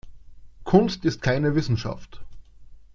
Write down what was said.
Kunst ist keine Wissenschaft.